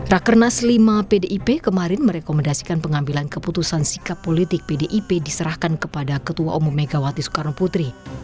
rakernas lima pdip kemarin merekomendasikan pengambilan keputusan sikap politik pdip diserahkan kepada ketua umum megawati soekarno putri